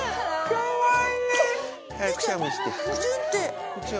かわいい。